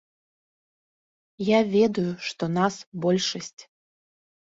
Я ведаю, што нас большасць.